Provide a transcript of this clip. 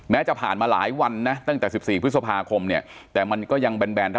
จะผ่านมาหลายวันนะตั้งแต่๑๔พฤษภาคมเนี่ยแต่มันก็ยังแบนเท่า